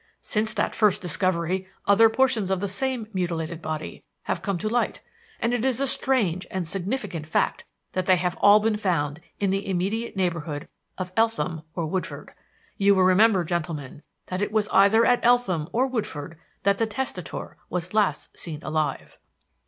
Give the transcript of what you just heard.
Since that first discovery, other portions of the same mutilated body have come to light; and it is a strange and significant fact that they have all been found in the immediate neighborhood of Eltham or Woodford. You will remember, gentlemen, that it was either at Eltham or Woodford that the testator was last seen alive.